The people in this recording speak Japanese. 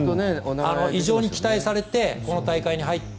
異常に期待されてこの大会に入って。